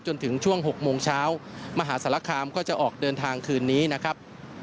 จนถึงช่วง๖โมงเช้ามหาศาลคามก็จะออกเดินทางคืนนี้นะครับ